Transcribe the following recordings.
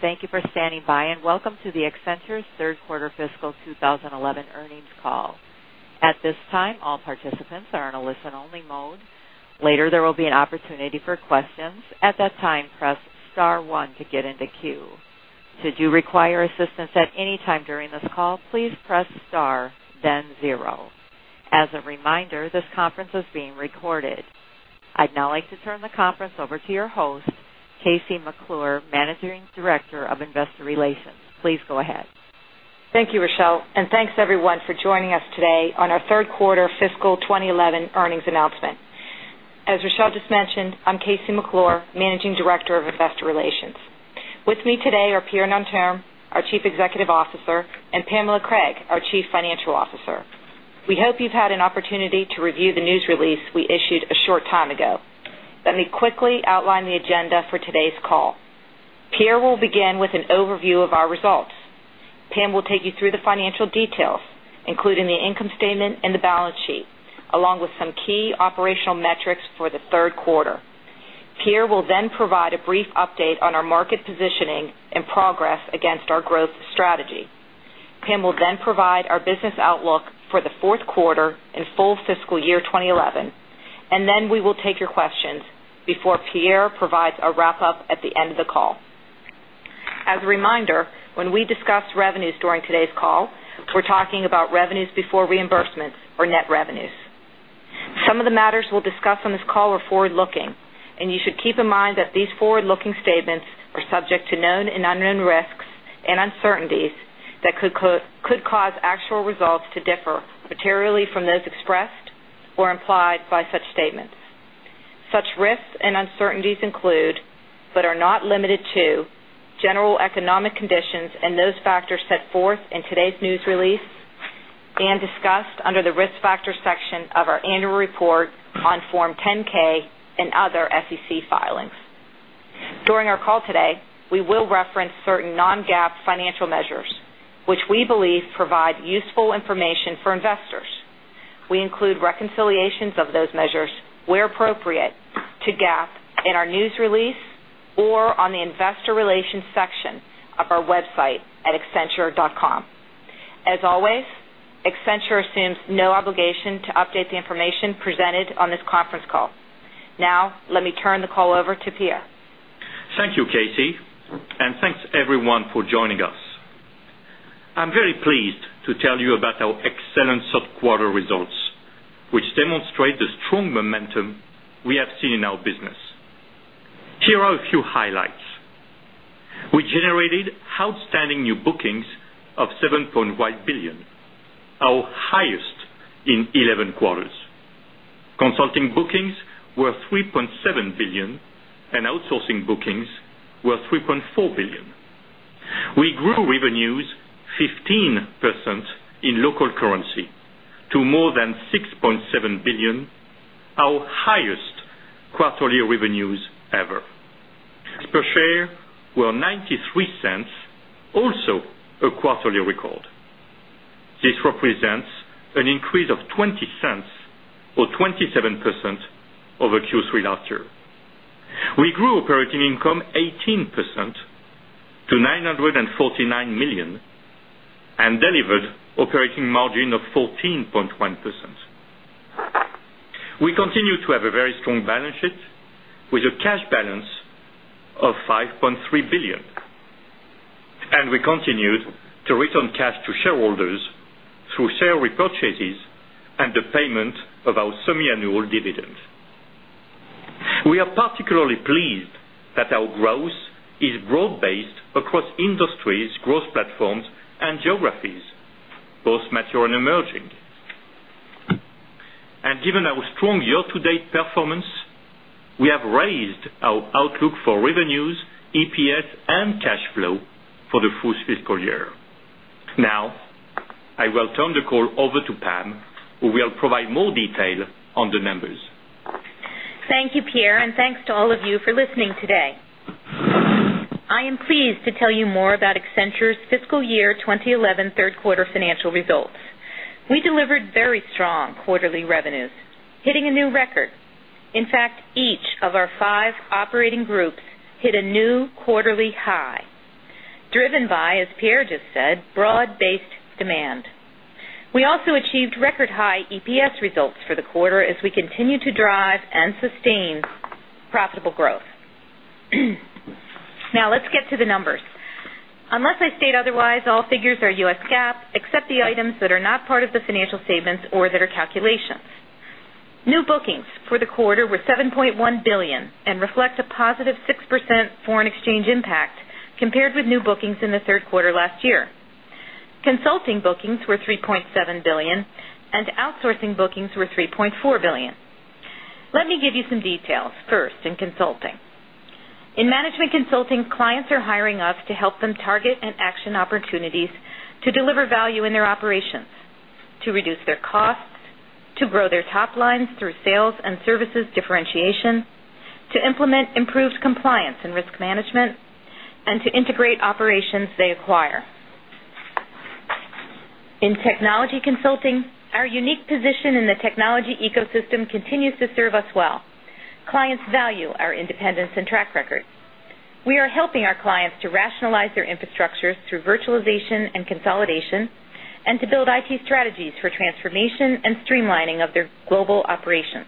Thank you for standing by and welcome to Accenture's third quarter fiscal 2011 earnings call. At this time, all participants are in a listen-only mode. Later, there will be an opportunity for questions. At that time, press star one to get into queue. Should you require assistance at any time during this call, please press star, then zero. As a reminder, this conference is being recorded. I'd now like to turn the conference over to your host, KC McClure, Managing Director of Investor Relations. Please go ahead. Thank you, Rochelle, and thanks everyone for joining us today on our third quarter fiscal 2011 earnings announcement. As Rochelle just mentioned, I'm KC McClure, Managing Director of Investor Relations. With me today are Pierre Nanterme, our Chief Executive Officer, and Pamela Craig, our Chief Financial Officer. We hope you've had an opportunity to review the news release we issued a short time ago. Let me quickly outline the agenda for today's call. Pierre will begin with an overview of our results. Pam will take you through the financial details, including the income statement and the balance sheet, along with some key operational metrics for the third quarter. Pierre will then provide a brief update on our market positioning and progress against our growth strategy. Pam will then provide our business outlook for the fourth quarter and Full fiscal year 2011, and then we will take your questions before Pierre provides a wrap-up at the end of the call. As a reminder, when we discuss revenues during today's call, we're talking about revenues before reimbursements or net revenues. Some of the matters we'll discuss on this call are forward-looking, and you should keep in mind that these forward-looking statements are subject to known and unknown risks and uncertainties that could cause actual results to differ materially from those expressed or implied by such statements. Such risks and uncertainties include, but are not limited to, general economic conditions and those factors set forth in today's news release and discussed under the risk factor section of our annual report on Form 10-K and other SEC filings. During our call today, we will reference certain non-GAAP financial measures, which we believe provide useful information for investors. We include reconciliations of those measures where appropriate to GAAP in our news release or on the Investor Relations section of our website at accenture.com. As always, Accenture assumes no obligation to update the information presented on this conference call. Now, let me turn the call over to Pierre. Thank you, KC, and thanks everyone for joining us. I'm very pleased to tell you about our excellent subquarter results, which demonstrate the strong momentum we have seen in our business. Here are a few highlights. We generated outstanding new bookings of $7.1 billion, our highest in 11 quarters. Consulting bookings were $3.7 billion, and outsourcing bookings were $3.4 billion. We grew revenues 15% in local currency to more than $6.7 billion, our highest quarterly revenues ever. Per share, we're $0.93, also a quarterly record. This represents an increase of $0.20, or 27%, over Q3 last year. We grew operating income 18% to $949 million and delivered an operating margin of 14.1%. We continue to have a very strong balance sheet with a cash balance of $5.3 billion. We continue to return cash to shareholders through share repurchases and the payment of our semiannual dividends. We're particularly pleased that our growth is broad-based across industries, growth platforms, and geographies, both mature and emerging. Given our strong year to date performance, we have raised our outlook for revenues, EPS, and cash flow for the full fiscal year. Now, I will turn the call over to Pam, who will provide more detail on the numbers. Thank you, Pierre, and thanks to all of you for listening today. I am pleased to tell you more about Accenture's fiscal year 2011 third quarter financial results. We delivered very strong quarterly revenues, hitting a new record. In fact, each of our five operating groups hit a new quarterly high, driven by, as Pierre just said, broad-based demand. We also achieved record-high EPS results for the quarter as we continue to drive and sustain profitable growth. Now, let's get to the numbers. Unless I state otherwise, all figures are US GAAP except the items that are not part of the financial statements or that are calculations. New bookings for the quarter were $7.1 billion and reflect a positive 6% foreign exchange impact compared with new bookings in the third quarter last year. Consulting bookings were $3.7 billion, and outsourcing bookings were $3.4 billion. Let me give you some details, first in consulting. In management consulting, clients are hiring us to help them target and action opportunities to deliver value in their operations, to reduce their costs, to grow their top lines through sales and services differentiation, to implement improved compliance and risk management, and to integrate operations they acquire. In technology consulting, our unique position in the technology ecosystem continues to serve us well. Clients value our independence and track record. We're helping our clients to rationalize their infrastructures through virtualization and consolidation and to build IT strategies for transformation and streamlining of their global operations.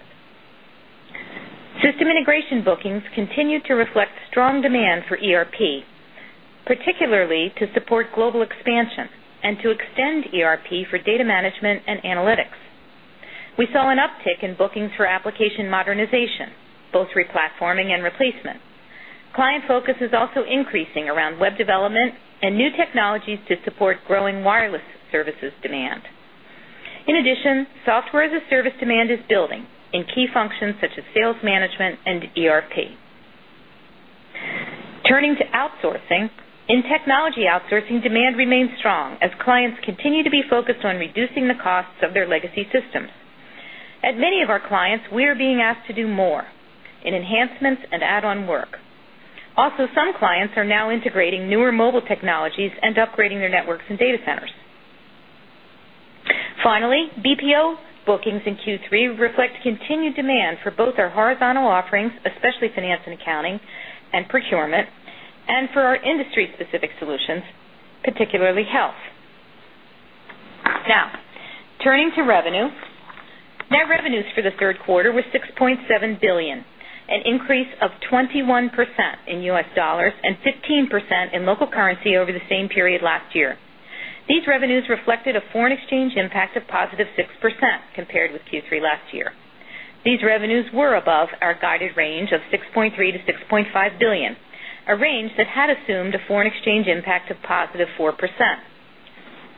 System integration bookings continue to reflect strong demand for ERP, particularly to support global expansion and to extend ERP for data management and analytics. We saw an uptick in bookings for application modernization, both replatforming and replacement. Client focus is also increasing around web development and new technologies to support growing wireless services demand. In addition, software as a service demand is building in key functions such as sales management and ERP. Turning to outsourcing, in technology outsourcing, demand remains strong as clients continue to be focused on reducing the costs of their legacy systems. At many of our clients, we are being asked to do more in enhancements and add-on work. Also, some clients are now integrating newer mobile technologies and upgrading their networks and data centers. Finally, BPO bookings in Q3 reflect continued demand for both our horizontal offerings, especially finance and accounting and procurement, and for our industry-specific solutions, particularly health. Now, turning to revenue, net revenues for the third quarter were $6.7 billion, an increase of 21% in US dollars and 15% in local currency over the same period last year. These revenues reflected a foreign-exchange impact of positive 6% compared with Q3 last year. These revenues were above our guided range of $6.3 billion-$6.5 billion, a range that had assumed a foreign-exchange impact of positive 4%.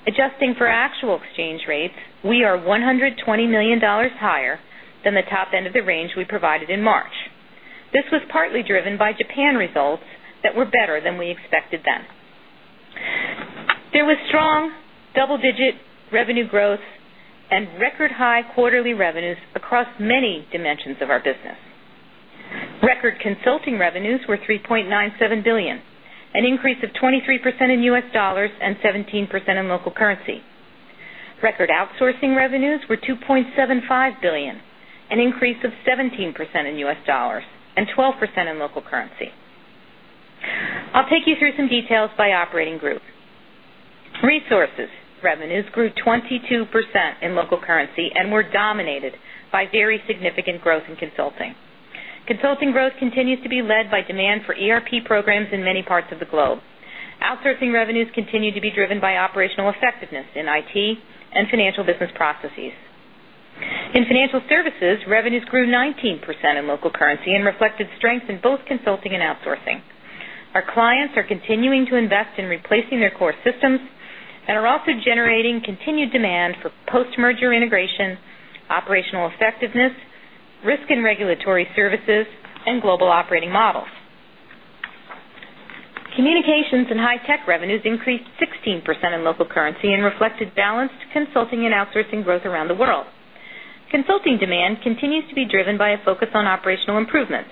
Adjusting for actual exchange rates, we're $120 million higher than the top end of the range we provided in March. This was partly driven by Japan results that were better than we expected then. There was strong double-digit revenue growth and record-high quarterly revenues across many dimensions of our business. Record consulting revenues were $3.97 billion, an increase of 23% in US dollars and 17% in local currency. Record outsourcing revenues were $2.75 billion, an increase of 17% in US dollars and 12% in local currency. I'll take you through some details by operating group. Resources revenues grew 22% in local currency and were dominated by very significant growth in consulting. Consulting growth continues to be led by demand for ERP programs in many parts of the globe. Outsourcing revenues continue to be driven by operational effectiveness in IT and financial business processes. In financial services, revenues grew 19% in local currency and reflected strength in both consulting and outsourcing. Our clients are continuing to invest in replacing their core systems and are also generating continued demand for post-merger integration, operational effectiveness, risk and regulatory services, and global operating models. Communications and high-tech revenues increased 16% in local currency and reflected balanced consulting and outsourcing growth around the world. Consulting demand continues to be driven by a focus on operational improvements,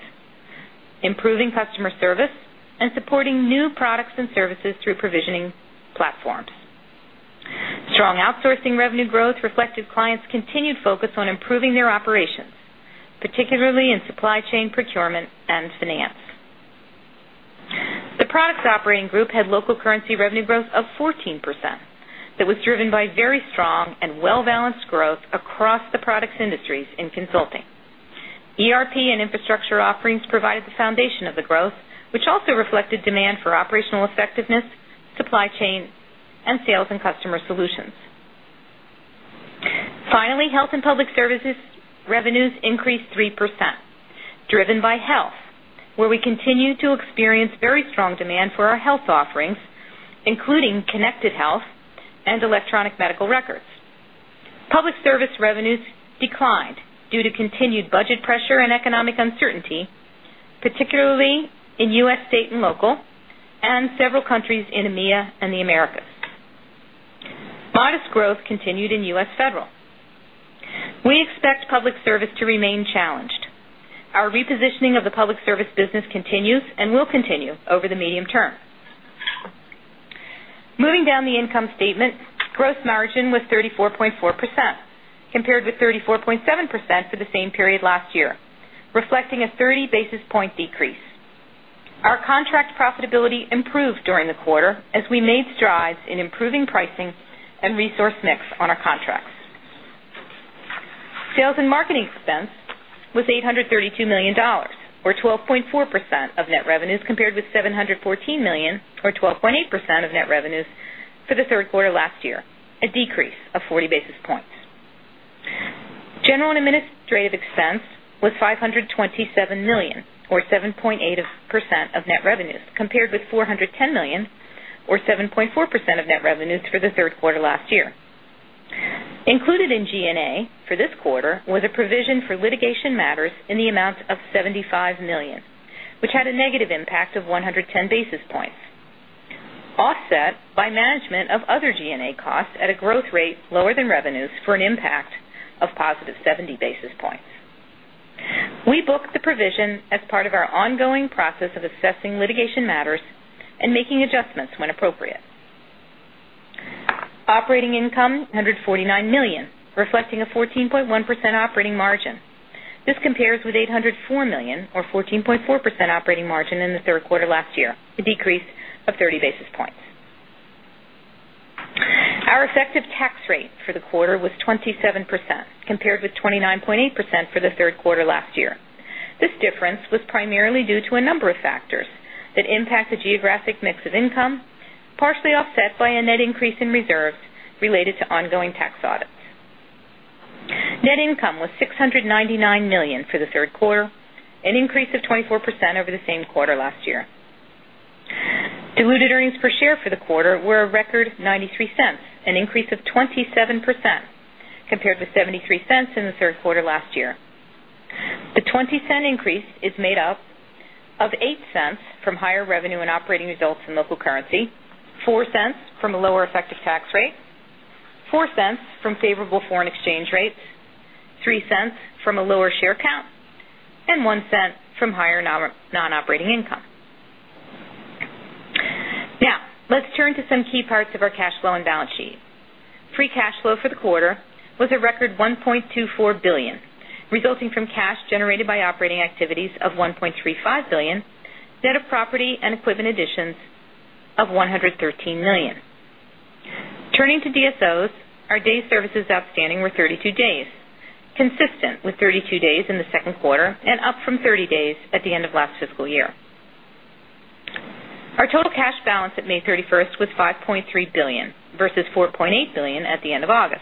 improving customer service, and supporting new products and services through provisioning platforms. Strong outsourcing revenue growth reflected clients' continued focus on improving their operations, particularly in supply chain, procurement, and finance. The products operating group had local currency revenue growth of 14% that was driven by very strong and well-balanced growth across the products industries in consulting. ERP and infrastructure offerings provided the foundation of the growth, which also reflected demand for operational effectiveness, supply chain, and sales and customer solutions. Finally, health and public services revenues increased 3%, driven by health, where we continue to experience very strong demand for our health offerings, including connected health and electronic medical records. Public service revenues declined due to continued budget pressure and economic uncertainty, particularly in US state and local and several countries in EMEA and the Americas. Modest growth continued in US federal. We expect public service to remain challenged. Our repositioning of the public service business continues and will continue over the medium term. Moving down the income statement, gross margin was 34.4% compared with 34.7% for the same period last year, reflecting a 30 basis point decrease. Our contract profitability improved during the quarter as we made strides in improving pricing and resource mix on our contracts. Sales and marketing expense was $832 million, or 12.4% of net revenues, compared with $714 million, or 12.8% of net revenues for the third quarter last year, a decrease of 40 basis points. General and administrative expense was $527 million, or 7.8% of net revenues, compared with $410 million, or 7.4% of net revenues for the third quarter last year. Included in G&A for this quarter was a provision for litigation matters in the amount of $75 million, which had a negative impact of 110 basis points, offset by management of other G&A costs at a growth rate lower than revenues for an impact of positive 70 basis points. We booked the provision as part of our ongoing process of assessing litigation matters and making adjustments when appropriate. Operating income was $849 million, reflecting a 14.1% operating margin. This compares with $804 million, or 14.4% operating margin in the third quarter last year, a decrease of 30 basis points. Our effective tax rate for the quarter was 27% compared with 29.8% for the third quarter last year. This difference was primarily due to a number of factors that impact the geographic mix of income, partially offset by a net increase in reserves related to ongoing tax audits. Net income was $699 million for the third quarter, an increase of 24% over the same quarter last year. Diluted earnings per share for the quarter were a record $0.93, an increase of 27% compared with $0.73 in the third quarter last year. The $0.20 increase is made up of $0.08 from higher revenue and operating results in local currency, $0.04 from a lower effective tax rate, $0.04 from favorable foreign exchange rates, $0.03 from a lower share count, and $0.01 from higher non-operating income. Now, let's turn to some key parts of our cash flow and balance sheet. Free cash flow for the quarter was a record $1.24 billion, resulting from cash generated by operating activities of $1.35 billion, net of property and equipment additions of $113 million. Turning to DSOs, our days sales outstanding were 32 days, consistent with 32 days in the second quarter and up from 30 days at the end of last fiscal year. Our total cash balance at May 31st was $5.3 billion versus $4.8 billion at the end of August.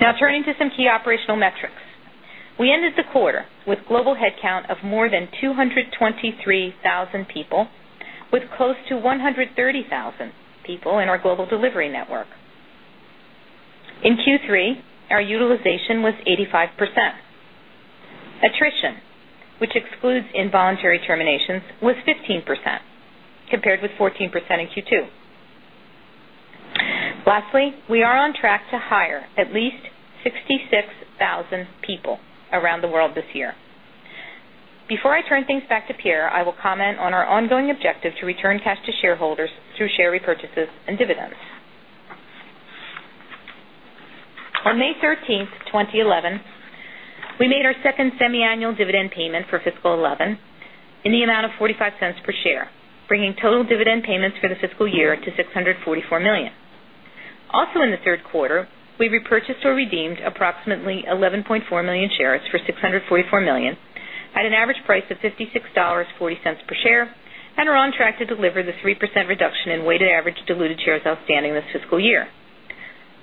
Now, turning to some key operational metrics, we ended the quarter with a global headcount of more than 223,000 people, with close to 130,000 people in our global delivery network. In Q3, our utilization was 85%. Attrition, which excludes involuntary terminations, was 15% compared with 14% in Q2. Lastly, we are on track to hire at least 66,000 people around the world this year. Before I turn things back to Pierre, I will comment on our ongoing objective to return cash to shareholders through share repurchases and dividends. On May 13th, 2011, we made our second semiannual dividend payment for fiscal 2011 in the amount of $0.45 per share, bringing total dividend payments for the fiscal year to $644 million. Also, in the third quarter, we repurchased or redeemed approximately 11.4 million shares for $644 million at an average price of $56.40 per share and are on track to deliver the 3% reduction in weighted average diluted shares outstanding this fiscal year.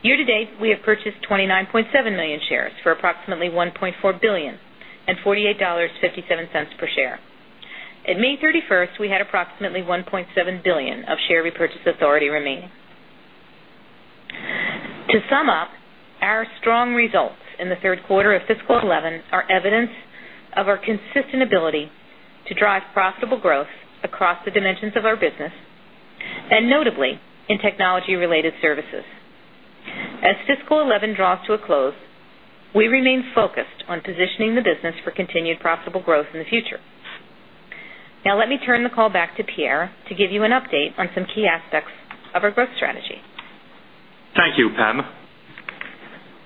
Year to date, we have purchased 29.7 million shares for approximately $1.4 billion at $48.57 per share. At May 31st, we had approximately $1.7 billion of share repurchase authority remaining. To sum up, our strong results in the third quarter of fiscal 2011 are evidence of our consistent ability to drive profitable growth across the dimensions of our business and notably in technology-related services. As fiscal 2011 draws to a close, we remain focused on positioning the business for continued profitable growth in the future. Now, let me turn the call back to Pierre to give you an update on some key aspects of our growth strategy. Thank you, Pam.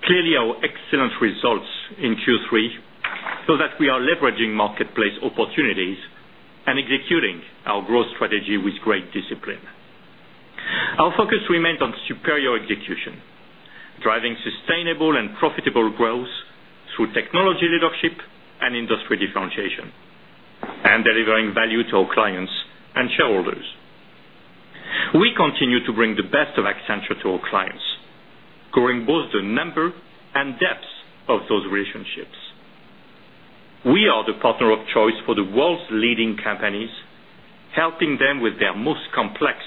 Clearly, our excellent results in Q3 show that we are leveraging marketplace opportunities and executing our growth strategy with great discipline. Our focus remains on superior execution, driving sustainable and profitable growth through technology leadership and industry differentiation, and delivering value to our clients and shareholders. We continue to bring the best of Accenture to our clients, scoring both the number and depth of those relationships. We're the partner of choice for the world's leading companies, helping them with their most complex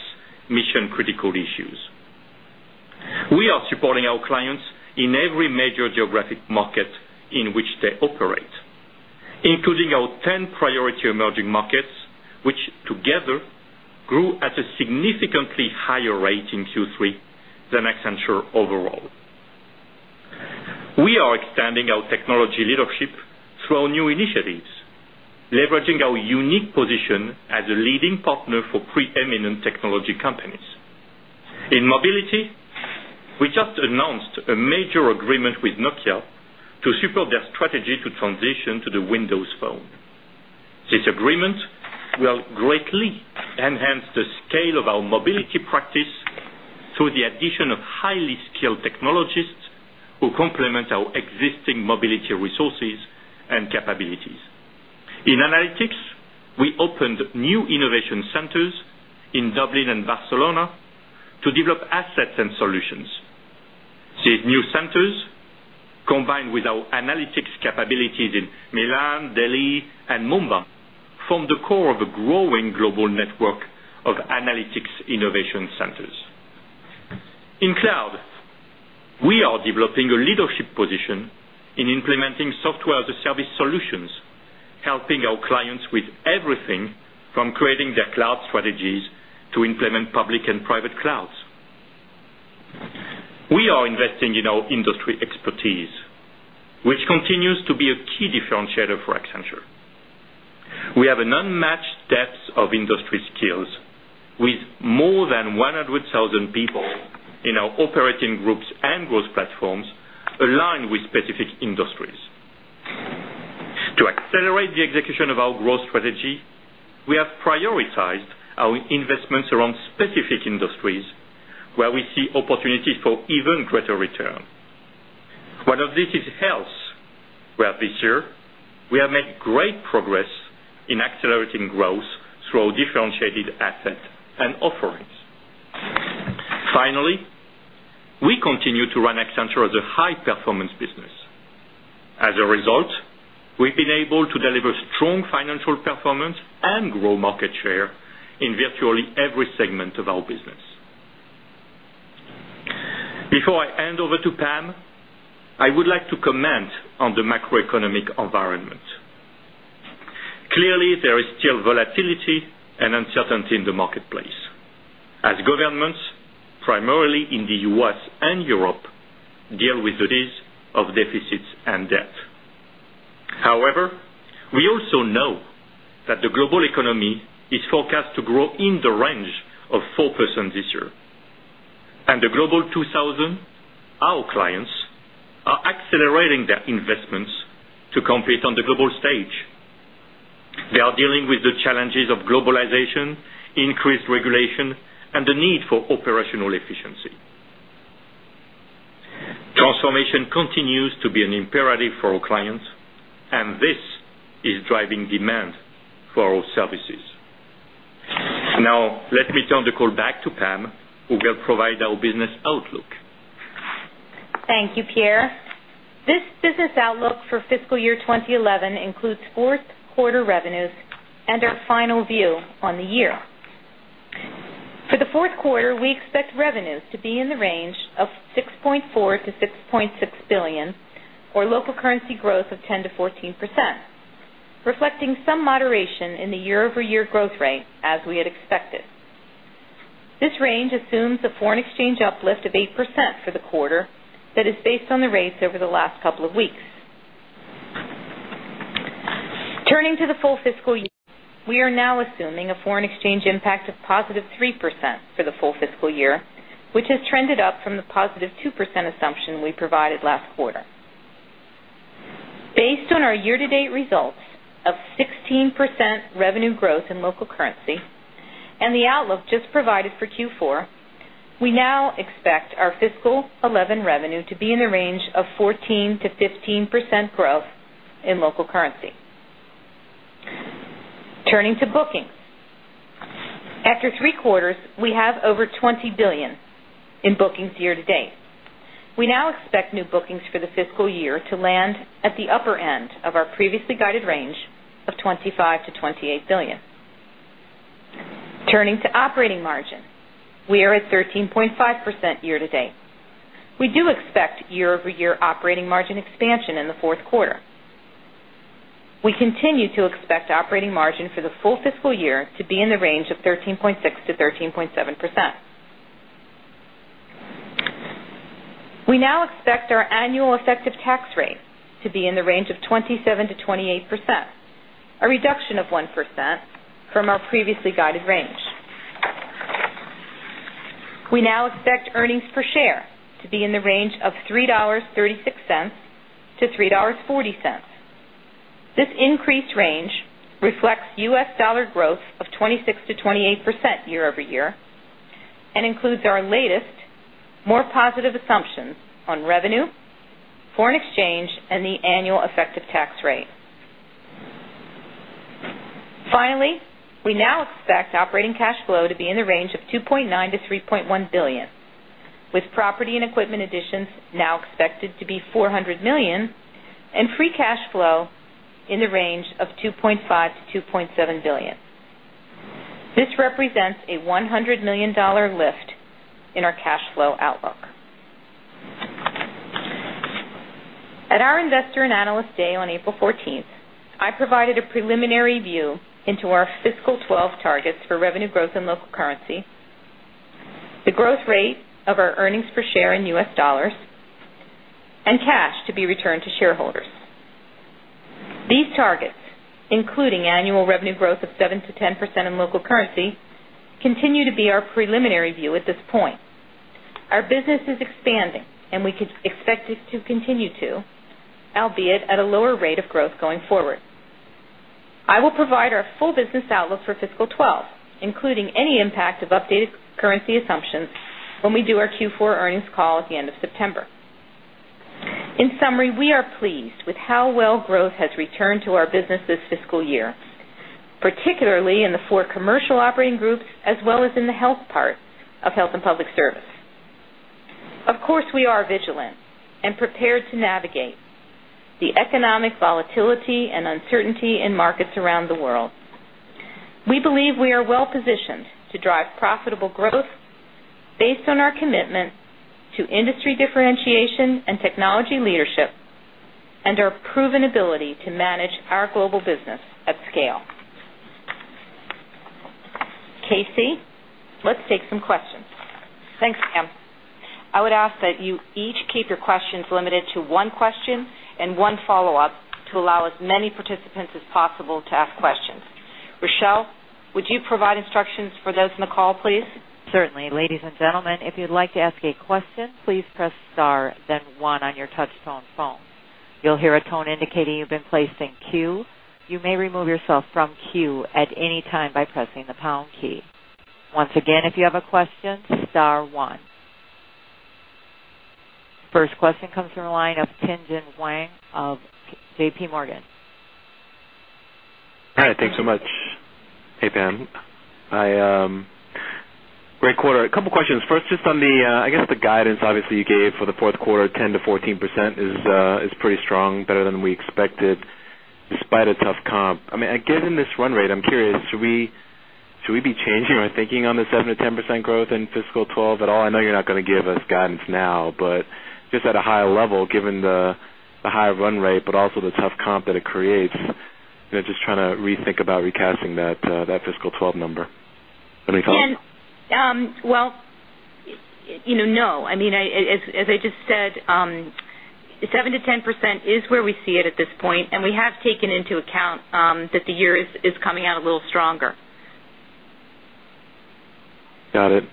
mission-critical issues. We're supporting our clients in every major geographic market in which they operate, including our 10 priority emerging markets, which together grew at a significantly higher rate in Q3 than Accenture overall. We're expanding our technology leadership through our new initiatives, leveraging our unique position as a leading partner for preeminent technology companies. In mobility, we just announced a major agreement with Nokia to support their strategy to transition to the Windows Phone. This agreement will greatly enhance the scale of our mobility practice through the addition of highly skilled technologists who complement our existing mobility resources and capabilities. In analytics, we opened new innovation centers in Dublin and Barcelona to develop assets and solutions. These new centers, combined with our analytics capabilities in Milan, Delhi, and Mumbai, form the core of a growing global network of analytics innovation centers. In cloud, we're developing a leadership position in implementing software-as-a-service solutions, helping our clients with everything from creating their cloud strategies to implement public and private clouds. We're investing in our industry expertise, which continues to be a key differentiator for Accenture. We have an unmatched depth of industry skills with more than 100,000 people in our operating groups and growth platforms aligned with specific industries. To accelerate the execution of our growth strategy, we have prioritized our investments around specific industries where we see opportunities for even greater return. One of these is health, where this year we have made great progress in accelerating growth through our differentiated assets and offerings. Finally, we continue to run Accenture as a high-performance business. As a result, we've been able to deliver strong financial performance and grow market share in virtually every segment of our business. Before I hand over to Pam, I would like to comment on the macroeconomic environment. Clearly, there is still volatility and uncertainty in the marketplace as governments, primarily in the U.S. and Europe, deal with the days of deficits and debt. However, we also know that the global economy is forecast to grow in the range of 4% this year. The Global 2000, our clients, are accelerating their investments to compete on the global stage. They are dealing with the challenges of globalization, increased regulation, and the need for operational efficiency. Transformation continues to be an imperative for our clients, and this is driving demand for our services. Now, let me turn the call back to Pam, who will provide our business outlook. Thank you, Pierre. This business outlook for fiscal year 2011 includes fourth quarter revenues and our final view on the year. For the fourth quarter, we expect revenues to be in the range of $6.4 billion-$6.6 billion, or local currency growth of 10%-14%, reflecting some moderation in the year-over-year growth rate as we had expected. This range assumes a foreign exchange uplift of 8% for the quarter that is based on the rates over the last couple of weeks. Turning to the full fiscal year, we are now assuming a foreign exchange impact of positive 3% for the full fiscal year, which has trended up from the positive 2% assumption we provided last quarter. Based on our year to date results of 16% revenue growth in local currency and the outlook just provided for Q4, we now expect our fiscal 2011 revenue to be in the range of 14%-15% growth in local currency. Turning to bookings, after three quarters, we have over $20 billion in bookings year to date. We now expect new bookings for the fiscal year to land at the upper end of our previously guided range of $25 billion-$28 billion. Turning to operating margin, we are at 13.5% year to date. We do expect year-over-year operating margin expansion in the fourth quarter. We continue to expect operating margin for the full fiscal year to be in the range of 13.6% -13.7%. We now expect our annual effective tax rate to be in the range of 27%-28%, a reduction of 1% from our previously guided range. We now expect earnings per share to be in the range of $3.36-$3.40. This increased range reflects US dollar growth of 26%-28% year-over-year and includes our latest, more positive assumptions on revenue, foreign exchange, and the annual effective tax rate. Finally, we now expect operating cash flow to be in the range of $2.9 billion-$3.1 billion, with property and equipment additions now expected to be $400 million and free cash flow in the range of $2.5 billion-$2.7 billion. This represents a $100 million lift in our cash flow outlook. At our Investor and Analyst Day on April 14th, I provided a preliminary view into our fiscal 2012 targets for revenue growth in local currency, the growth rate of our earnings per share in US dollars, and cash to be returned to shareholders. These targets, including annual revenue growth of 7%-10% in local currency, continue to be our preliminary view at this point. Our business is expanding, and we can expect it to continue to, albeit at a lower rate of growth going forward. I will provide our full business outlook for fiscal 2012, including any impact of updated currency assumptions when we do our Q4 earnings call at the end of September. In summary, we are pleased with how well growth has returned to our business this fiscal year, particularly in the four commercial operating groups as well as in the health part of Health and Public Service. Of course, we're vigilant and prepared to navigate the economic volatility and uncertainty in markets around the world. We believe we are well-positioned to drive profitable growth based on our commitment to industry differentiation and technology leadership and our proven ability to manage our global business at scale. KC, let's take some questions. Thanks, Pam. I would ask that you each keep your questions limited to one question and one follow-up to allow as many participants as possible to ask questions. Rochelle, would you provide instructions for those in the call, please? Certainly. Ladies and gentlemen, if you'd like to ask a question, please press star, then one on your touch-tone phone. You'll hear a tone indicating you've been placed in queue. You may remove yourself from queue at any time by pressing the pound key. Once again, if you have a question, star one. First question comes from the line of Tien-Tsin Huang of JPMorgan. Hi, thanks so much. Hey, Pam. Great quarter. A couple of questions. First, just on the guidance, obviously, you gave for the fourth quarter, 10%-14% is pretty strong, better than we expected, despite a tough comp. I mean, given this run rate, I'm curious, should we be changing our thinking on the 7%-10% growth in fiscal 2012 at all? I know you're not going to give us guidance now, but just at a high level, given the high run rate, but also the tough comp that it creates, you know, just trying to rethink about recasting that fiscal 2012 number. Let me talk. As I just said, 7%-10% is where we see it at this point, and we have taken into account that the year is coming out a little stronger. Got it.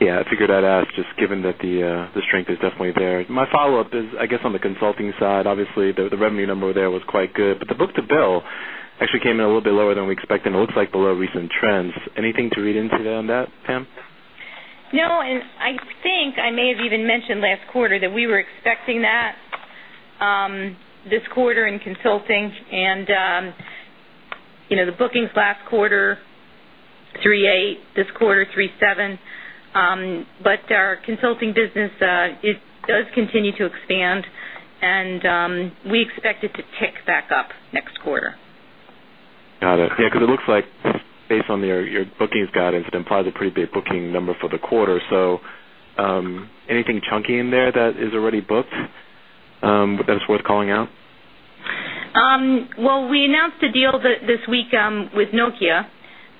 Yeah, it's a good add, just given that the strength is definitely there. My follow-up is, I guess, on the consulting side, obviously, the revenue number there was quite good, but the book-to-bill actually came in a little bit lower than we expected, and it looks like below recent trends. Anything to read into there on that, Pam? No, I think I may have even mentioned last quarter that we were expecting that this quarter in consulting, and the bookings last quarter, 3.8%, this quarter, 3.7%. Our consulting business does continue to expand, and we expect it to tick back up next quarter. Got it. Yeah, because it looks like, based on your bookings guidance, it implies a pretty big booking number for the quarter. Is there anything chunky in there that is already booked that's worth calling out? We announced a deal this week with Nokia,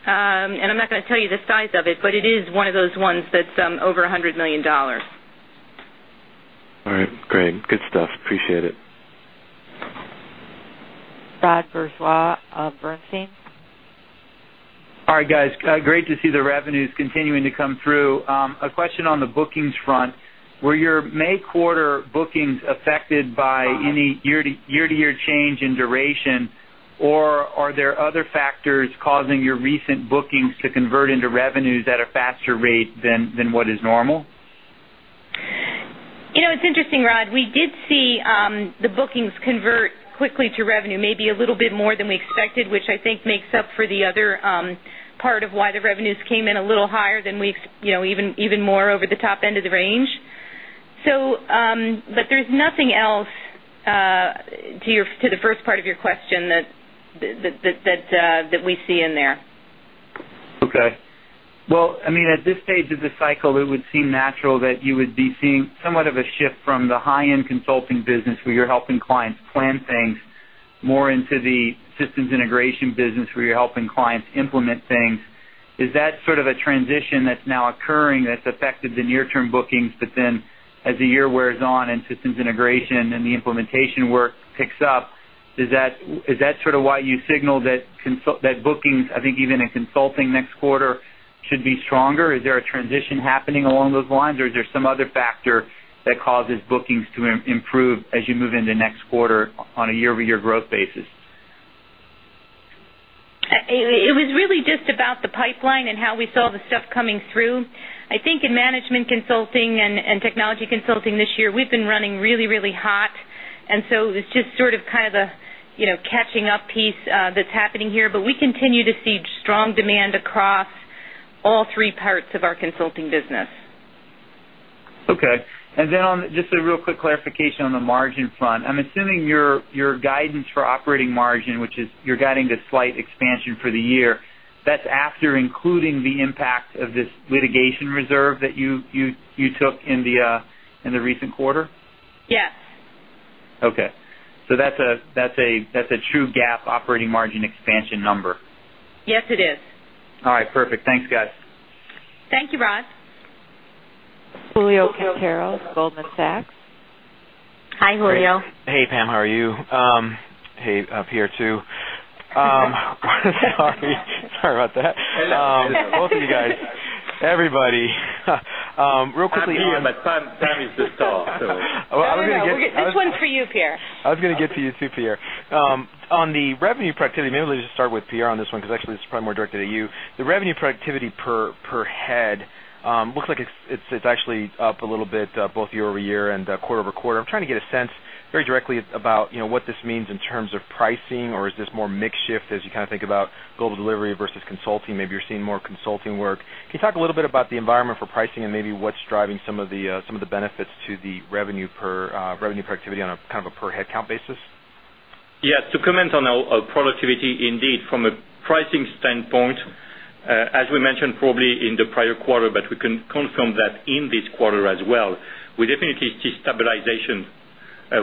and I'm not going to tell you the size of it, but it is one of those ones that's over $100 million. All right, great. Good stuff. Appreciate it. Rod Bourgeois of Bernstein. All right, guys, great to see the revenues continuing to come through. A question on the bookings front. Were your May quarter bookings affected by any year to year change in duration, or are there other factors causing your recent bookings to convert into revenues at a faster rate than what is normal? You know, it's interesting, Rod. We did see the bookings convert quickly to revenue, maybe a little bit more than we expected, which I think makes up for the other part of why the revenues came in a little higher than we've, you know, even more over the top end of the range. There's nothing else to the first part of your question that we see in there. Okay. At this stage of the cycle, it would seem natural that you would be seeing somewhat of a shift from the high-end consulting business where you're helping clients plan things more into the systems integration business where you're helping clients implement things. Is that sort of a transition that's now occurring that's affected the near-term bookings, but then as the year wears on and systems integration and the implementation work picks up, is that sort of why you signal that bookings, I think even in consulting next quarter, should be stronger? Is there a transition happening along those lines, or is there some other factor that causes bookings to improve as you move into next quarter on a year-over-year growth basis? It was really just about the pipeline and how we saw the stuff coming through. I think in management consulting and technology consulting this year, we've been running really, really hot, and it's just kind of the catching up piece that's happening here, but we continue to see strong demand across all three parts of our consulting business. Okay. Just a real quick clarification on the margin front. I'm assuming your guidance for operating margin, which is you're guiding the slight expansion for the year, that's after including the impact of this litigation reserve that you took in the recent quarter? Yes. Okay, that's a true GAAP operating margin expansion number. Yes, it is. All right, perfect. Thanks, guys. Thank you, Rod. Julio Quinteros of Goldman Sachs. Hi, Julio. Hey, Pam, how are you? Hey, Pierre, too. Sorry about that. Both of you, everybody. Real quickly. I'm here, but Tommy's just off. I was going to get. This one's for you, Pierre. I was going to get to you, too, Pierre. On the revenue productivity, maybe let's just start with Pierre on this one because actually this is probably more directed at you. The revenue productivity per head looks like it's actually up a little bit both year-over-year and quarter over quarter. I'm trying to get a sense very directly about what this means in terms of pricing, or is this more makeshift as you kind of think about global delivery versus consulting? Maybe you're seeing more consulting work. Can you talk a little bit about the environment for pricing and maybe what's driving some of the benefits to the revenue productivity on a kind of a per headcount basis? Yeah, to comment on our productivity, indeed, from a pricing standpoint, as we mentioned probably in the prior quarter, we can confirm that in this quarter as well, we definitely see stabilization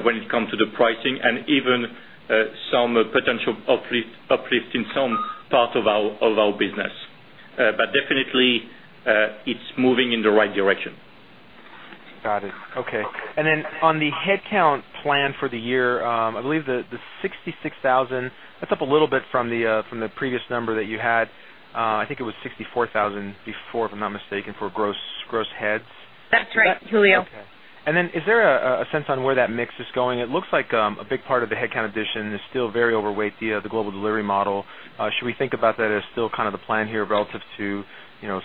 when it comes to the pricing and even some potential uplift in some parts of our business. It is definitely moving in the right direction. Got it. Okay. On the headcount plan for the year, I believe the 66,000, that's up a little bit from the previous number that you had. I think it was 64,000 before, if I'm not mistaken, for gross heads. That's right, Julio. Is there a sense on where that mix is going? It looks like a big part of the headcount addition is still very overweight the global delivery model. Should we think about that as still kind of the plan here relative to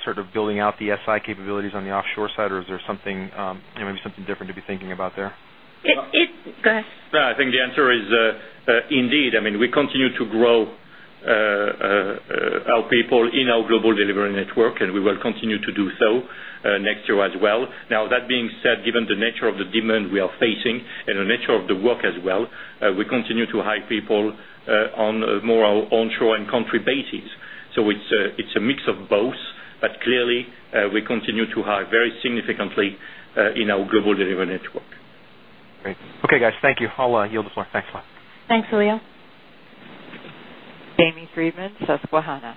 sort of building out the SI capabilities on the offshore side, or is there something, maybe something different to be thinking about there? It's. Go ahead. I think the answer is indeed, I mean, we continue to grow our people in our global delivery network, and we will continue to do so next year as well. That being said, given the nature of the demand we are facing and the nature of the work as well, we continue to hire people more on onshore and country bases. It is a mix of both, but clearly, we continue to hire very significantly in our global delivery network. Great. Okay, guys, thank you. I'll yield it. Thanks. Thanks, Julio. Jamie Friedman of Susquehanna.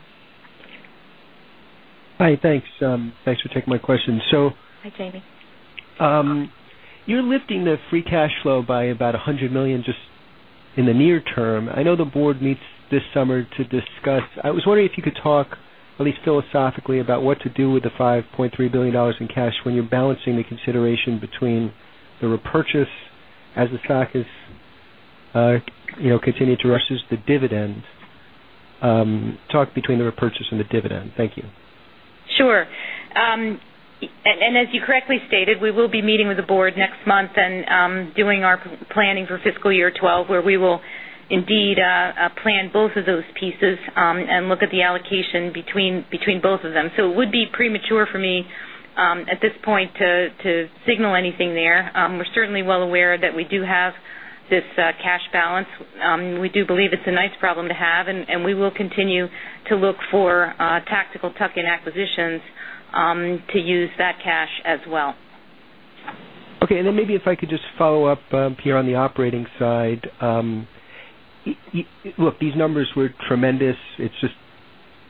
Hi, thanks. Thanks for taking my question. Hi, Jamie. You're lifting the free cash flow by about $100 million just in the near term. I know the board meets this summer to discuss. I was wondering if you could talk at least philosophically about what to do with the $5.3 billion in cash when you're balancing the consideration between the repurchase as the stock is continuing to rush the dividend. Talk between the repurchase and the dividend. Thank you. Sure. As you correctly stated, we will be meeting with the board next month and doing our planning for fiscal year 2012, where we will indeed plan both of those pieces and look at the allocation between both of them. It would be premature for me at this point to signal anything there. We're certainly well aware that we do have this cash balance. We do believe it's a nice problem to have, and we will continue to look for tactical tuck-in acquisitions to use that cash as well. Okay. Maybe if I could just follow up, Pierre, on the operating side. Look, these numbers were tremendous. It's just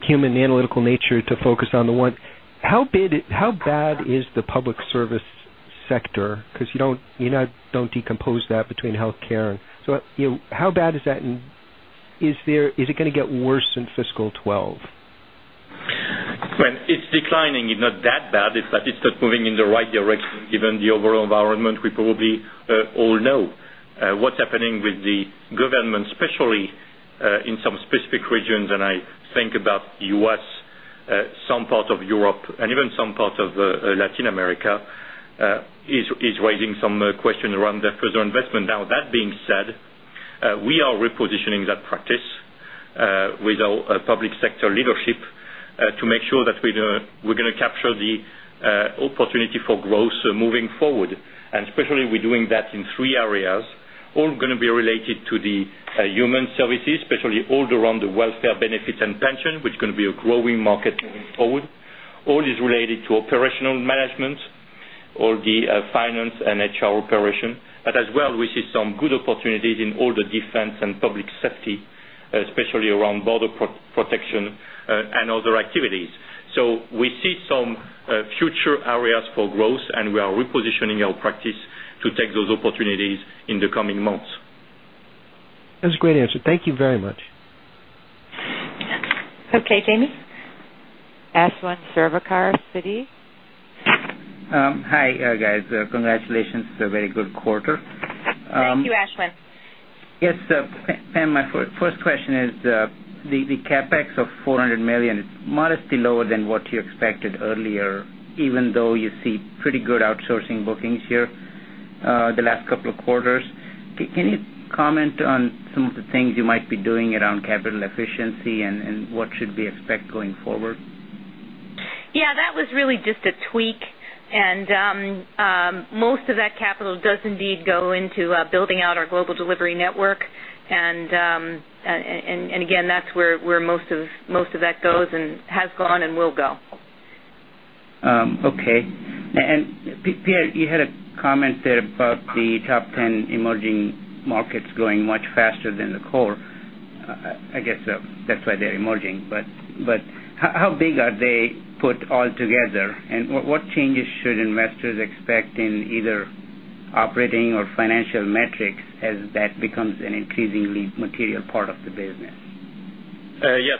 human analytical nature to focus on the one. How bad is the public service sector? You don't decompose that between healthcare and... How bad is that? Is it going to get worse in fiscal 2012? It's declining. It's not that bad, but it's not moving in the right direction given the overall environment we probably all know. What's happening with the government, especially in some specific regions, and I think about the U.S., some parts of Europe, and even some parts of Latin America, is raising some questions around their further investment. That being said, we are repositioning that practice with our Public Sector leadership to make sure that we're going to capture the opportunity for growth moving forward. Especially we're doing that in three areas, all going to be related to the human services, especially all around the welfare benefits and pension, which is going to be a growing market moving forward. All is related to operational management, all the finance and HR operations. We see some good opportunities in all the defense and public safety, especially around border protection and other activities. We see some future areas for growth, and we are repositioning our practice to take those opportunities in the coming months. That was a great answer. Thank you very much. Okay, Jamie. Ashwin Shirvaikar of Citi. Hi, guys. Congratulations, very good quarter. Thank you, Ashwin. Yes, Pam, my first question is the CapEx of $400 million. It's modestly lower than what you expected earlier, even though you see pretty good outsourcing bookings here the last couple of quarters. Can you comment on some of the things you might be doing around capital efficiency and what should we expect going forward? That was really just a tweak, and most of that capital does indeed go into building out our global delivery network. That's where most of that goes, has gone, and will go. Okay. Pierre, you had a comment there about the top 10 emerging markets growing much faster than the core. I guess that's why they're emerging. How big are they put all together? What changes should investors expect in either operating or financial metrics as that becomes an increasingly material part of the business?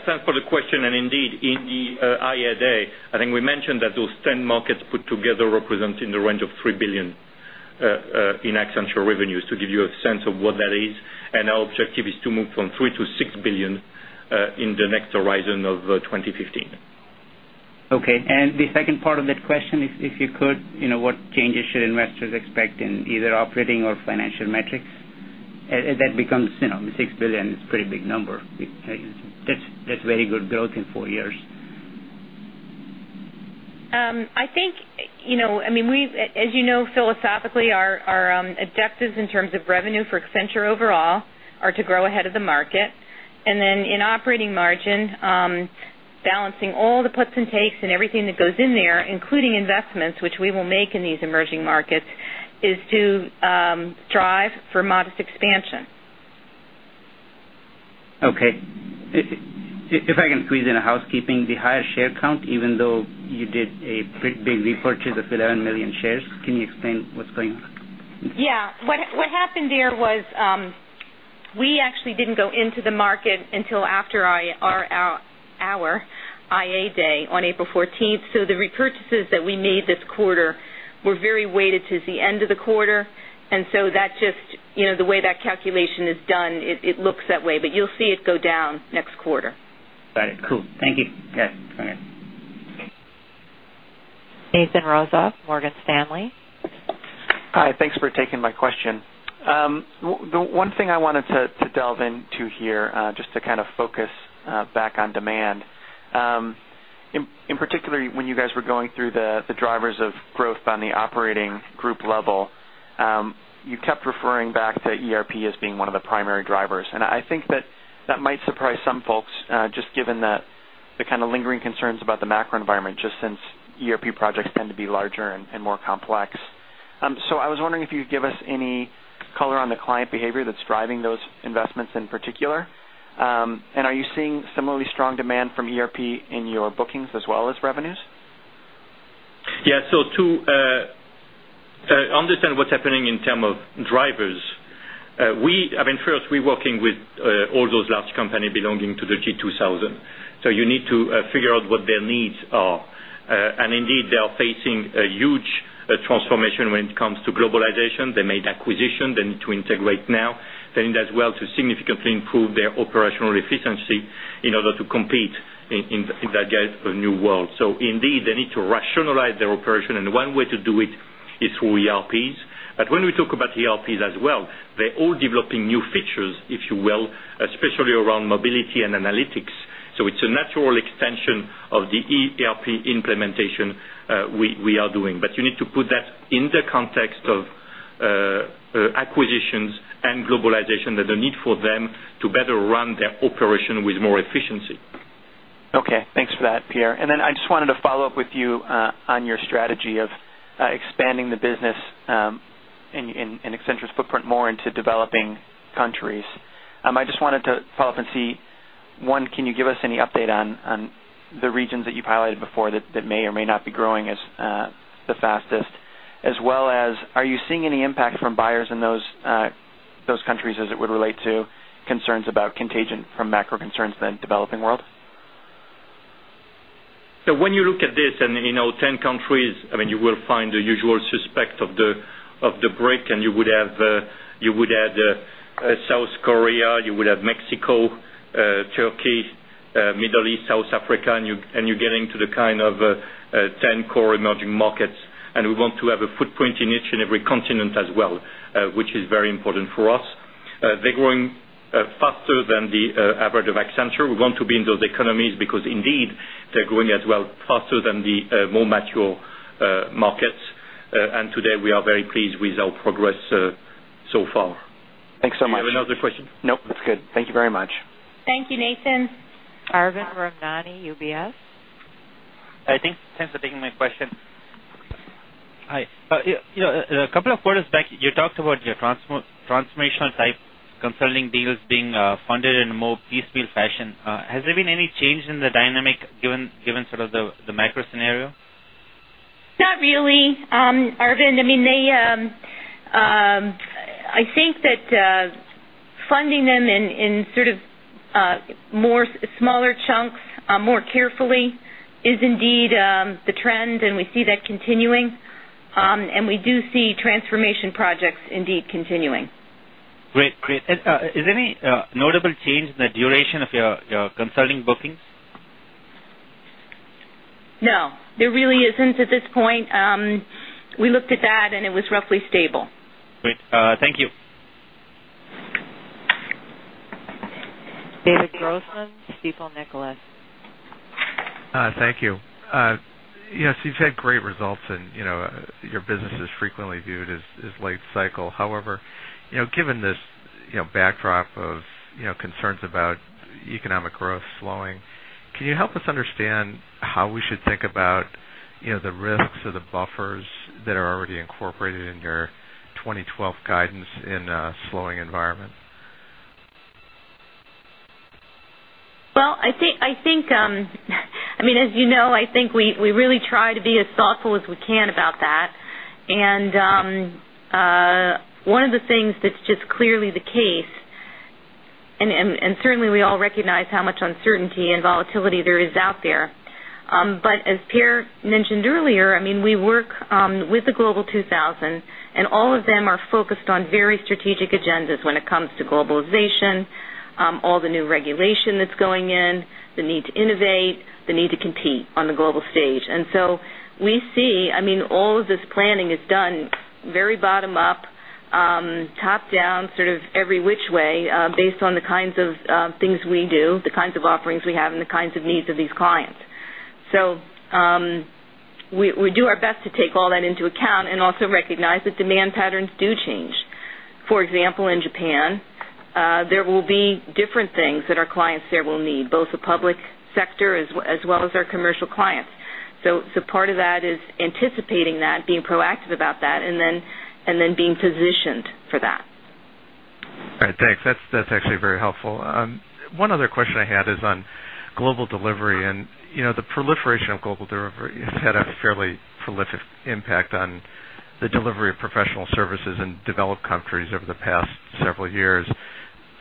Thank you for the question. Indeed, in the IAD, I think we mentioned that those 10 markets put together represent in the range of $3 billion in Accenture revenues, to give you a sense of what that is. Our objective is to move from $3 billion-$6 billion in the next horizon of 2015. Okay. The second part of that question, if you could, you know, what changes should investors expect in either operating or financial metrics? That becomes, you know, $6 billion is a pretty big number. That's very good growth in four years. I think, as you know, philosophically, our objectives in terms of revenue for Accenture overall are to grow ahead of the market. In operating margin, balancing all the puts and takes and everything that goes in there, including investments, which we will make in these emerging markets, is to strive for modest expansion. Okay. If I can squeeze in a housekeeping, the higher share count, even though you did a pretty big repurchase of 11 million shares, can you explain what's going on? Yeah, what happened there was we actually didn't go into the market until after our IAD on April 14th. The repurchases that we made this quarter were very weighted towards the end of the quarter, and that's just the way that calculation is done, it looks that way. You'll see it go down next quarter. Got it. Cool. Thank you. Yes, go ahead. Nathan Roetto of Morgan Stanley. Hi, thanks for taking my question. The one thing I wanted to delve into here, just to kind of focus back on demand, in particular, when you guys were going through the drivers of growth on the operating group level, you kept referring back to ERP as being one of the primary drivers. I think that might surprise some folks, just given the kind of lingering concerns about the macro environment just since ERP projects tend to be larger and more complex. I was wondering if you could give us any color on the client behavior that's driving those investments in particular. Are you seeing similarly strong demand from ERP in your bookings as well as revenues? Yeah, to understand what's happening in terms of drivers, first, we're working with all those large companies belonging to the G2000. You need to figure out what their needs are. Indeed, they are facing a huge transformation when it comes to globalization. They made acquisitions. They need to integrate now. They need as well to significantly improve their operational efficiency in order to compete in that gate of a new world. Indeed, they need to rationalize their operation. One way to do it is through ERP. When we talk about ERP as well, they're all developing new features, if you will, especially around mobility and analytics. It's a natural extension of the ERP implementation we are doing. You need to put that in the context of acquisitions and globalization and the need for them to better run their operation with more efficiency. Okay, thanks for that, Pierre. I just wanted to follow up with you on your strategy of expanding the business and Accenture's footprint more into developing countries. I just wanted to follow up and see, one, can you give us any update on the regions that you've highlighted before that may or may not be growing as the fastest, as well as are you seeing any impact from buyers in those countries as it would relate to concerns about contagion from macro concerns in the developing world? When you look at this and in all 10 countries, you will find the usual suspect of the break, and you would have South Korea, you would have Mexico, Turkey, Middle East, South Africa, and you're getting to the kind of 10 core emerging markets. We want to have a footprint in each and every continent as well, which is very important for us. They're growing faster than the average of Accenture. We want to be in those economies because indeed, they're growing as well faster than the more mature markets. Today, we are very pleased with our progress so far. Thanks so much. Do you have another question? No, that's good. Thank you very much. Thank you, Nathan. Arvind Ramnani, UBS. Thanks for taking my question. Hi, a couple of quarters back, you talked about your transformational type concerning deals being funded in a more piecemeal fashion. Has there been any change in the dynamic given sort of the macro scenario? Not really, Arvind. I think that funding them in sort of more smaller chunks, more carefully, is indeed the trend, and we see that continuing. We do see transformation projects indeed continuing. Great. Is there any notable change in the duration of your consulting bookings? No, there really isn't at this point. We looked at that and it was roughly stable. Great. Thank you. David Grossman, Stifel Nicholas. Hi, thank you. Yes, you've had great results, and you know your business is frequently viewed as late cycle. However, given this backdrop of concerns about economic growth slowing, can you help us understand how we should think about the risks or the buffers that are already incorporated in your 2012 guidance in a slowing environment? I think, as you know, we really try to be as thoughtful as we can about that. One of the things that's just clearly the case, and certainly we all recognize how much uncertainty and volatility there is out there. As Pierre mentioned earlier, we work with the Global 2000, and all of them are focused on very strategic agendas when it comes to globalization, all the new regulation that's going in, the need to innovate, the need to compete on the global stage. We see all of this planning is done very bottom-up, top-down, sort of every which way, based on the kinds of things we do, the kinds of offerings we have, and the kinds of needs of these clients. We do our best to take all that into account and also recognize that demand patterns do change. For example, in Japan, there will be different things that our clients there will need, both the public sector as well as our commercial clients. Part of that is anticipating that, being proactive about that, and then being positioned for that. All right, thanks. That's actually very helpful. One other question I had is on global delivery. You know the proliferation of global delivery has had a fairly prolific impact on the delivery of professional services in developed countries over the past several years.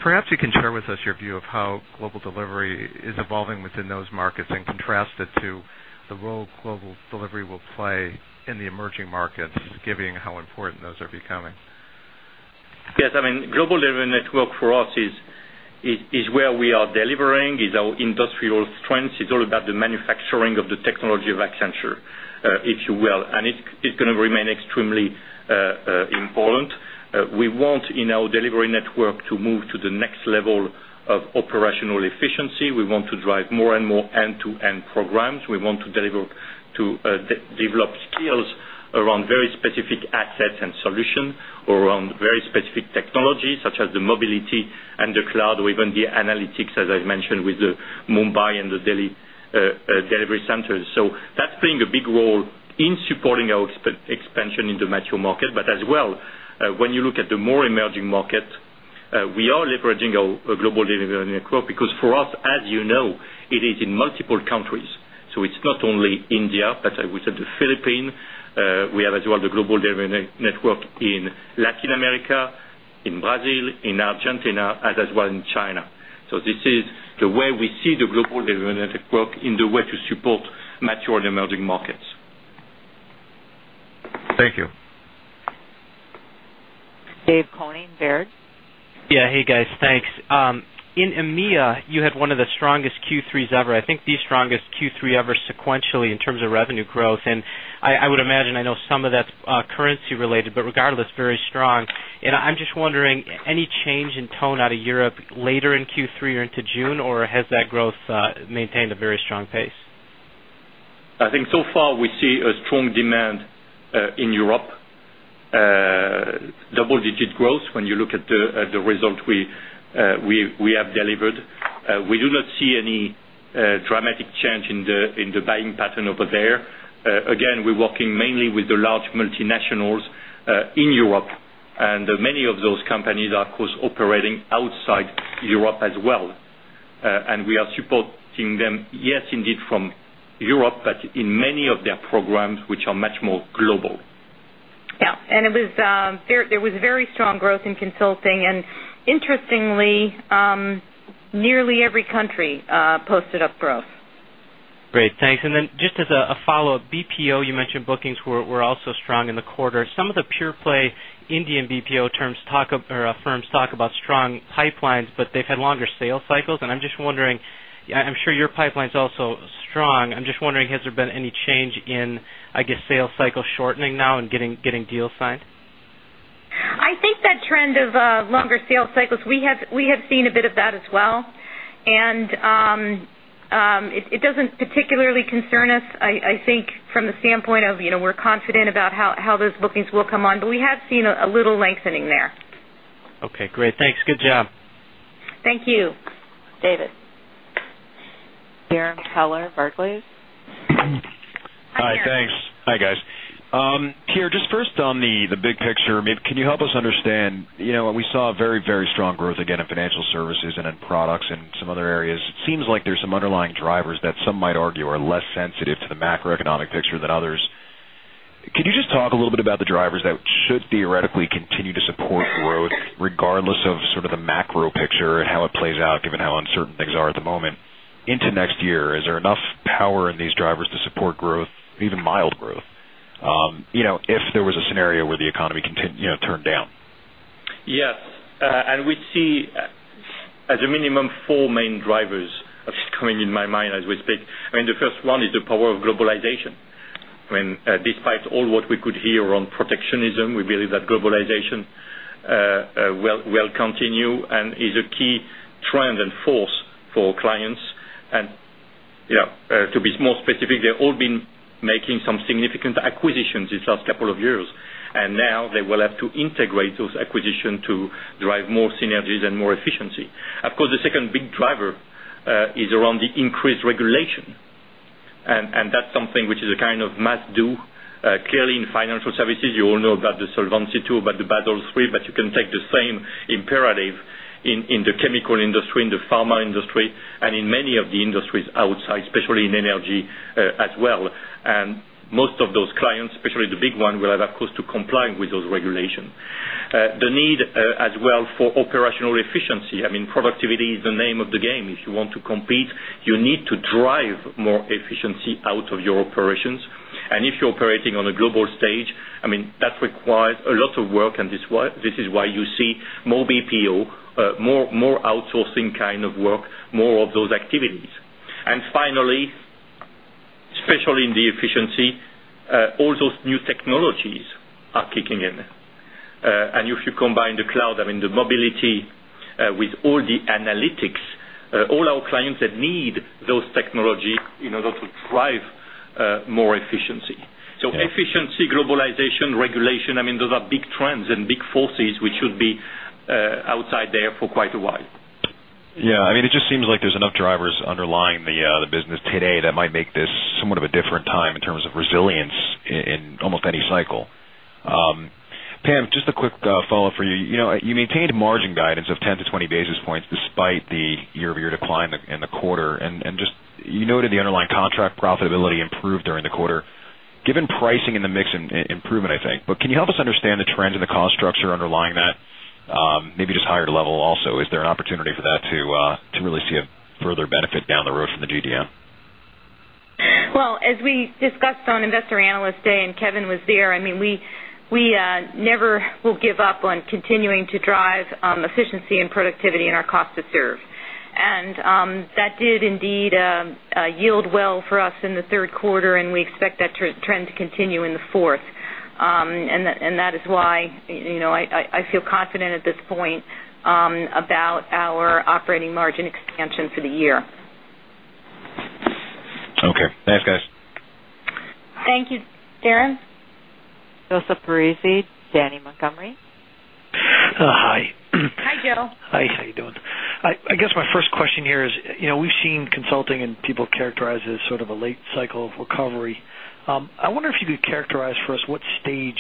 Perhaps you can share with us your view of how global delivery is evolving within those markets and contrast it to the role global delivery will play in the emerging markets, given how important those are becoming. Yes, I mean, global delivery network for us is where we are delivering, is our industrial strength. It's all about the manufacturing of the technology of Accenture, if you will. It's going to remain extremely important. We want in our delivery network to move to the next level of operational efficiency. We want to drive more and more end-to-end programs. We want to develop skills around very specific assets and solutions or around very specific technologies such as the mobility and the cloud or even the analytics, as I mentioned, with the Mumbai and the Delhi delivery centers. That's playing a big role in supporting our expansion in the mature market. As well, when you look at the more emerging markets, we are leveraging our global delivery network because for us, as you know, it is in multiple countries. It's not only India, but I would say the Philippines. We have as well the global delivery network in Latin America, in Brazil, in Argentina, and as well in China. This is the way we see the global delivery network in the way to support mature and emerging markets. Thank you. Dave Koning, Baird. Yeah, hey guys, thanks. In EMYA, you had one of the strongest Q3s ever. I think the strongest Q3 ever sequentially in terms of revenue growth. I would imagine, I know some of that's currency related, but regardless, very strong. I'm just wondering, any change in tone out of Europe later in Q3 or into June, or has that growth maintained a very strong pace? I think so far we see a strong demand in Europe, double-digit growth when you look at the result we have delivered. We do not see any dramatic change in the buying pattern over there. We're working mainly with the large multinationals in Europe, and many of those companies are, of course, operating outside Europe as well. We are supporting them, yes, indeed, from Europe, but in many of their programs, which are much more global. Yeah, there was very strong growth in consulting. Interestingly, nearly every country posted growth. Great, thanks. Just as a follow-up, BPO, you mentioned bookings were also strong in the quarter. Some of the pure play Indian BPO firms talk about strong pipelines, but they've had longer sales cycles. I'm just wondering, I'm sure your pipeline is also strong. I'm just wondering, has there been any change in, I guess, sales cycle shortening now and getting deals signed? I think that trend of longer sales cycles, we have seen a bit of that as well. It doesn't particularly concern us. I think from the standpoint of, you know, we're confident about how those bookings will come on, but we have seen a little lengthening there. Okay, great. Thanks. Good job. Thank you, David. Darrin Peller, Barclays. Hi, thanks. Hi guys. Pierre, just first on the big picture, can you help us understand, you know, we saw very, very strong growth again in financial services and in products and some other areas. It seems like there's some underlying drivers that some might argue are less sensitive to the macroeconomic picture than others. Could you just talk a little bit about the drivers that should theoretically continue to support growth regardless of sort of the macro picture and how it plays out, given how uncertain things are at the moment into next year? Is there enough power in these drivers to support growth, even mild growth, you know, if there was a scenario where the economy turned down? Yes, and we'd see as a minimum four main drivers coming in my mind as we speak. The first one is the power of globalization. Despite all what we could hear around protectionism, we believe that globalization will continue and is a key trend and force for clients. To be more specific, they've all been making some significant acquisitions these last couple of years. Now they will have to integrate those acquisitions to drive more synergies and more efficiency. The second big driver is around the increased regulation. That's something which is a kind of must-do. Clearly, in financial services, you all know about the Solvency II, about the Basel III, but you can take the same imperative in the chemical industry, in the pharma industry, and in many of the industries outside, especially in energy as well. Most of those clients, especially the big ones, will have, of course, to comply with those regulations. The need as well for operational efficiency, productivity is the name of the game. If you want to compete, you need to drive more efficiency out of your operations. If you're operating on a global stage, that requires a lot of work. This is why you see more BPO, more outsourcing kind of work, more of those activities. Finally, especially in the efficiency, all those new technologies are kicking in. If you combine the cloud, the mobility with all the analytics, all our clients need those technologies in order to drive more efficiency. Efficiency, globalization, regulation, those are big trends and big forces which should be outside there for quite a while. Yeah, I mean, it just seems like there's enough drivers underlying the business today that might make this somewhat of a different time in terms of resilience in almost any cycle. Pam, just a quick follow-up for you. You know, you maintained margin guidance of 10-20 basis points despite the year-over-year decline in the quarter. You noted the underlying contract profitability improved during the quarter. Given pricing in the mix and improvement, I think, but can you help us understand the trends in the cost structure underlying that, maybe just higher level also? Is there an opportunity for that to really see a further benefit down the road from the GDM? As we discussed on Investor Analyst Day and Kevin was there, I mean, we never will give up on continuing to drive efficiency and productivity in our cost of service. That did indeed yield well for us in the third quarter, and we expect that trend to continue in the fourth. That is why, you know, I feel confident at this point about our operating margin expansion for the year. Okay, thanks, guys. Thank you, Darrin. Joseph Foresi and Janney Montgomery. Hi. Hi, Joe. Hi, how are you doing? I guess my first question here is, you know, we've seen consulting and people characterize it as sort of a late cycle of recovery. I wonder if you could characterize for us what stage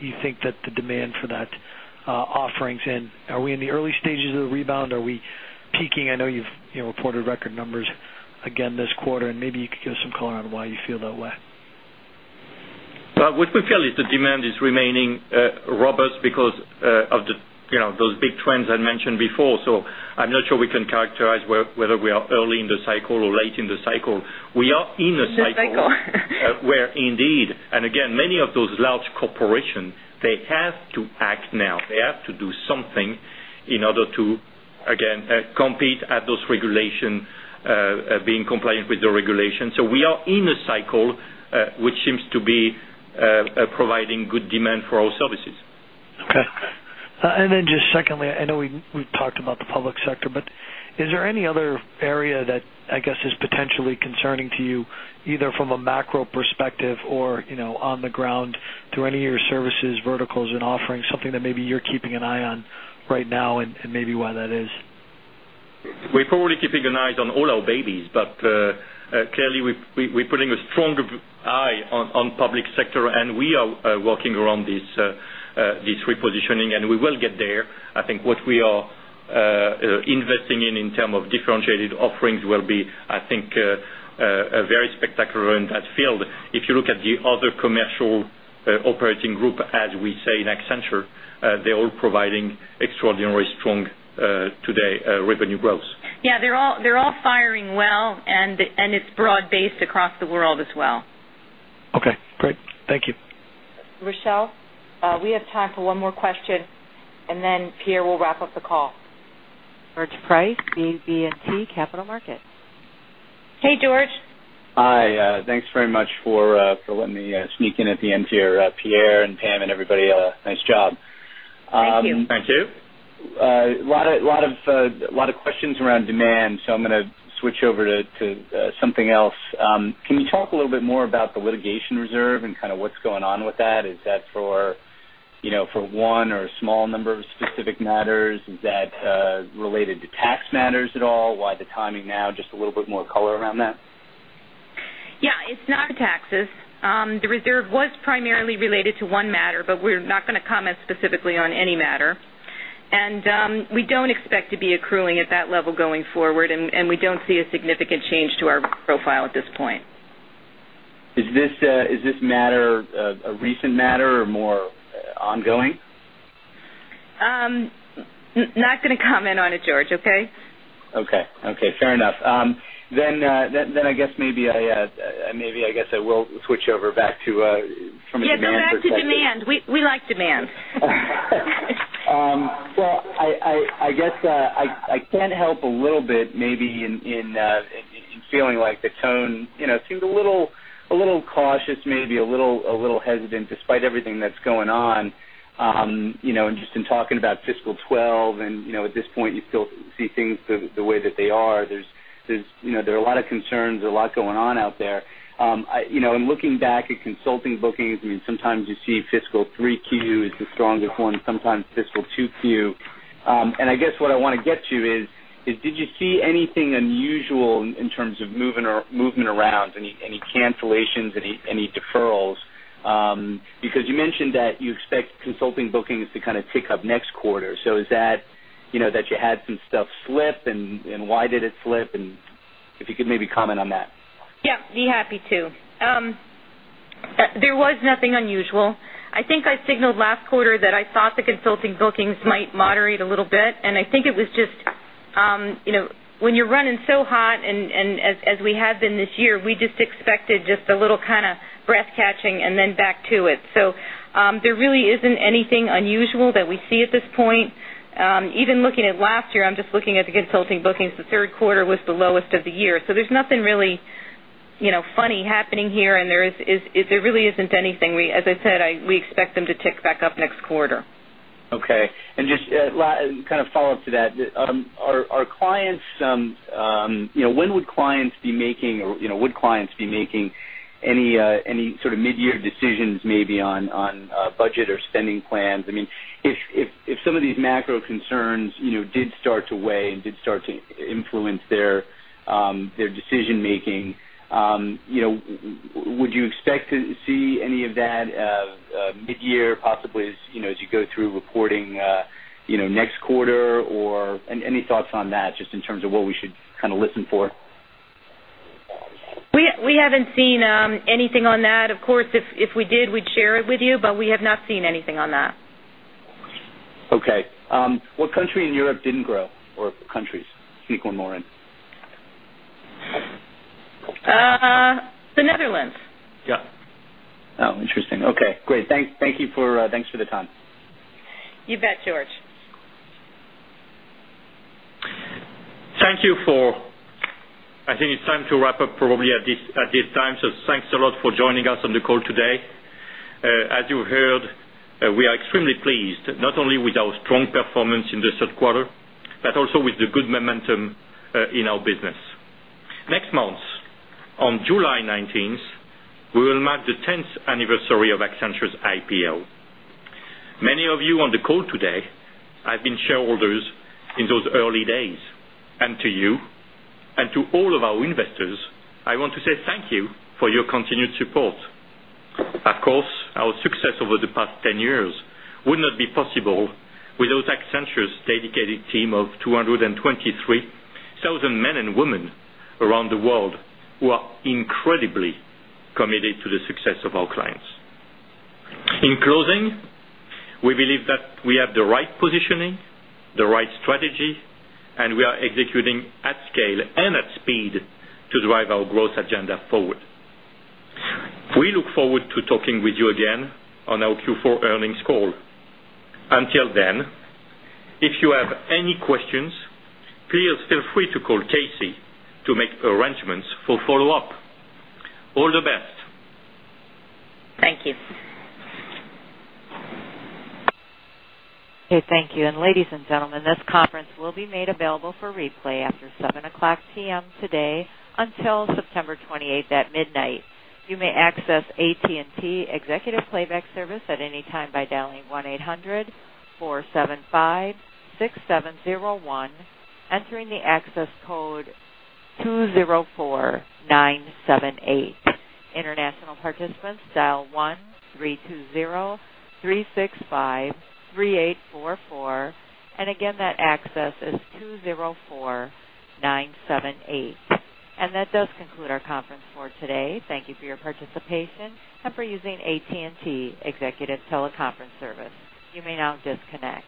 you think that the demand for that offering is in. Are we in the early stages of the rebound? Are we peaking? I know you've reported record numbers again this quarter, and maybe you could give us some color on why you feel that way. What we feel is the demand is remaining robust because of those big trends I mentioned before. I'm not sure we can characterize whether we are early in the cycle or late in the cycle. We are in a cycle. It's a cycle. Indeed, many of those large corporations have to act now. They have to do something in order to compete at those regulations, being compliant with the regulations. We are in a cycle which seems to be providing good demand for our services. Okay. Then just secondly, I know we talked about the public sector, but is there any other area that I guess is potentially concerning to you, either from a macro perspective or on the ground through any of your services, verticals, and offerings, something that maybe you're keeping an eye on right now and maybe why that is? We're probably keeping an eye on all our babies, but clearly we're putting a stronger eye on the public sector, and we are working around this repositioning, and we will get there. I think what we are investing in in terms of differentiated offerings will be, I think, very spectacular in that field. If you look at the other commercial operating group, as we say in Accenture, they're all providing extraordinarily strong today revenue growth. Yeah, they're all firing well, and it's broad-based across the world as well. Okay, great. Thank you. Rochelle, we have time for one more question, and then Pierre will wrap up the call. George Price, BB&T Capital Markets. Hey, George. Hi, thanks very much for letting me sneak in at the end here. Pierre and Pam and everybody, nice job. Thank you. A lot of questions around demand, so I'm going to switch over to something else. Can you talk a little bit more about the litigation reserve and kind of what's going on with that? Is that for one or a small number of specific matters? Is that related to tax matters at all? Why the timing now? Just a little bit more color around that. Yeah, it's not taxes. The reserve was primarily related to one matter, but we're not going to comment specifically on any matter. We don't expect to be accruing at that level going forward, and we don't see a significant change to our profile at this point. Is this matter a recent matter or more ongoing? Not going to comment on it, George, okay? Okay, fair enough. I guess maybe I will switch over back to. Yeah, go back to demand. We like demand. I guess I can help a little bit maybe in feeling like the tone seems a little cautious, maybe a little hesitant despite everything that's going on. In talking about fiscal 2012, at this point you still see things the way that they are. There are a lot of concerns, a lot going on out there. Looking back at consulting bookings, sometimes you see fiscal 3Q is the strongest one, sometimes fiscal 2Q. What I want to get to is, did you see anything unusual in terms of movement around, any cancellations, any deferrals? You mentioned that you expect consulting bookings to kind of tick up next quarter. Is that that you had some stuff slip, and why did it slip? If you could maybe comment on that. Yeah, be happy to. There was nothing unusual. I think I signaled last quarter that I thought the consulting bookings might moderate a little bit, and I think it was just, you know, when you're running so hot, and as we have been this year, we just expected just a little kind of breath catching and then back to it. There really isn't anything unusual that we see at this point. Even looking at last year, I'm just looking at the consulting bookings, the third quarter was the lowest of the year. There's nothing really, you know, funny happening here, and there really isn't anything. As I said, we expect them to tick back up next quarter. Okay. Just kind of follow up to that. Are clients, you know, when would clients be making, you know, would clients be making any sort of mid-year decisions maybe on budget or spending plans? I mean, if some of these macro concerns did start to weigh and did start to influence their decision-making, would you expect to see any of that mid-year possibly as you go through reporting next quarter? Any thoughts on that just in terms of what we should kind of listen for? We haven't seen anything on that. Of course, if we did, we'd share it with you, but we have not seen anything on that. Okay. What country in Europe didn't grow, or countries? Speak one more in. The Netherlands. Oh, interesting. Okay, great. Thanks for the time. You bet, George. Thank you, I think it's time to wrap up probably at this time. Thanks a lot for joining us on the call today. As you heard, we are extremely pleased, not only with our strong performance in the third quarter, but also with the good momentum in our business. Next month, on July 19th, we will mark the 10th anniversary of Accenture's IPO. Many of you on the call today have been shareholders in those early days. To you, and to all of our investors, I want to say thank you for your continued support. Of course, our success over the past 10 years would not be possible without Accenture's dedicated team of 223,000 men and women around the world who are incredibly committed to the success of our clients. In closing, we believe that we have the right positioning, the right strategy, and we are executing at scale and at speed to drive our growth agenda forward. We look forward to talking with you again on our Q4 earnings call. Until then, if you have any questions, please feel free to call KC to make arrangements for follow-up. All the best. Thank you. Okay, thank you. Ladies and gentlemen, this conference will be made available for replay after 7:00 P.M. today until September 28 at midnight. You may access AT&T Executive Playback Service at any time by dialing 1-800-475-6701, entering the access code 204978. International participants, dial 1-320-365-3844. Again, that access code is 204978. That does conclude our conference for today. Thank you for your participation and for using AT&T Executive Teleconference Service. You may now disconnect.